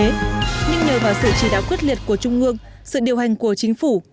nhưng nơi vào sự chỉ đáo quyết liệt của trung ương sự điều hành của chính phủ